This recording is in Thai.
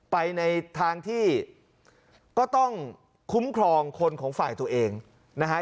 ไปในทางที่ก็ต้องคุ้มครองคนของฝ่ายตัวเองนะฮะ